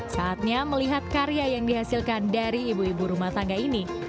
saatnya melihat karya yang dihasilkan dari ibu ibu rumah tangga ini